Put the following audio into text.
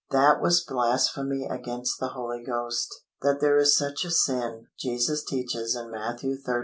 That was blasphemy against the Holy Ghost. That there is such a sin, Jesus teaches in Matthew xii.